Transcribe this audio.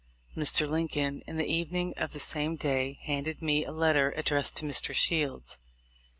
Mr. Lincoln, in the evening of the same day, handed me a letter addressed to Mr. Shields.